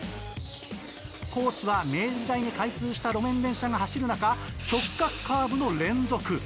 コースは明治時代に開通した路面電車が走る中直角カーブの連続。